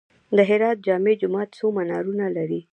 د هرات جامع جومات څو منارونه لري؟